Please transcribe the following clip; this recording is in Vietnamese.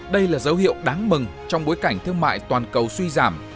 đây là dấu hiệu đáng mừng trong bối cảnh thương mại toàn cầu suy giảm